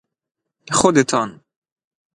خودتان